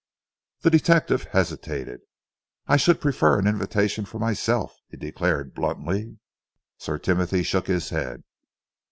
The detective hesitated. "I should prefer an invitation for myself," he declared bluntly. Sir Timothy shook his head.